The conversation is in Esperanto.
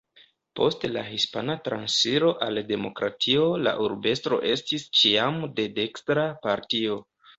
Post la Hispana Transiro al demokratio la urbestro estis ĉiam de dekstra partio.